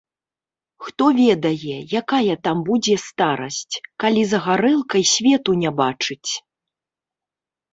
Хто ведае, якая там будзе старасць, калі за гарэлкай свету не бачыць.